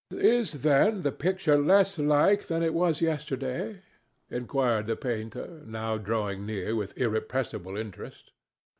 "Is, then, the picture less like than it was yesterday?" inquired the painter, now drawing near with irrepressible interest.